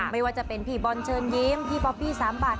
ไม่ว่าจะเป็นพี่บอลเชิญยิ้มพี่บอบบี้๓บาท